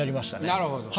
なるほど。